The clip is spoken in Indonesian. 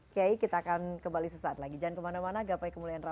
kita akan kembali sesaat lagi jangan kemana mana